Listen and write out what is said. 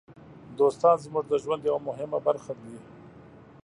دوستان زموږ د ژوند یوه مهمه برخه دي.